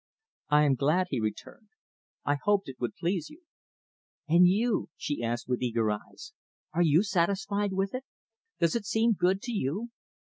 "I am glad," he returned. "I hoped it would please you." "And you" she asked, with eager eyes "are you satisfied with it? Does it seem good to you?"